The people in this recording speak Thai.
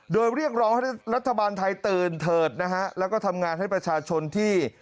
โดยเรียกร้องให้รัฐบาลไทยตื่นเถิดนะฮะแล้วก็ทำงานให้ประชาชนที่